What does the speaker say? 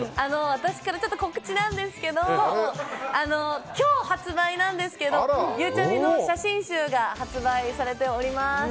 私から告知なんですけど今日、発売なんですけどゆうちゃみの写真集が発売されております。